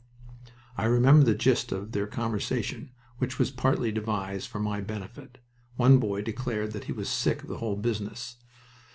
I remember the gist of their conversation, which was partly devised for my benefit. One boy declared that he was sick of the whole business.